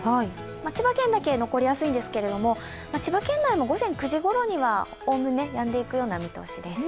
千葉県だけ残りやすいんですけれども、千葉県内も午前９時ごろにはおおむねやんでいくような見通しです。